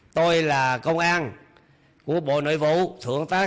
tôi là công an của bộ nội vụ thượng tá công an